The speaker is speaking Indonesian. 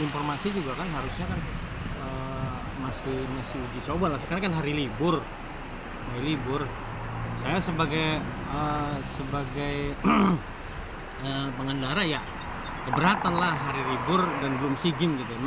masih uji coba sekarang kan hari libur saya sebagai pengendara ya keberatan lah hari libur dan belum si gim